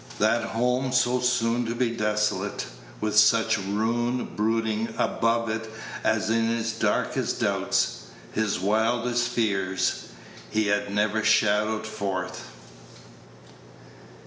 That home so soon to be desolate! with such ruin brooding above it as in his darkest doubts, his wildest fears, he had never shadowed forth.